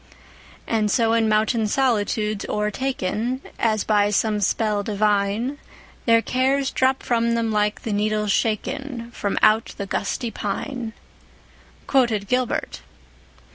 "'And so in mountain solitudes o'ertaken As by some spell divine, Their cares drop from them like the needles shaken From out the gusty pine,'" quoted Gilbert.